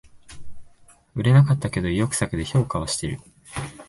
売れなかったけど意欲作で評価はしてる